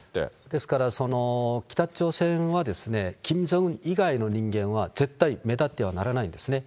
ですから、北朝鮮はキム・ジョンウン以外の人間は絶対目立ってはならないんですね。